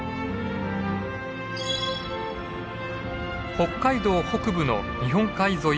北海道北部の日本海沿い